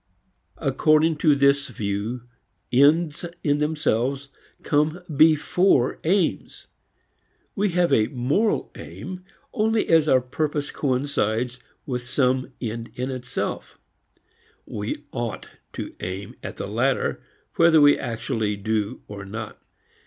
According to this view ends in themselves come before aims. We have a moral aim only as our purpose coincides with some end in itself. We ought to aim at the latter whether we actually do or not.